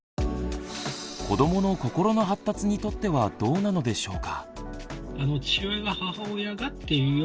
子どもの心の発達にとってはどうなのでしょうか？